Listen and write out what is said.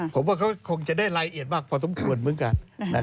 ผมว่าเขาคงจะได้รายละเอียดมากพอสมควรเหมือนกัน